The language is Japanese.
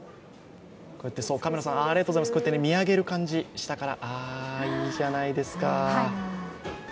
こうやって見上げる感じ、下からいいじゃないですか。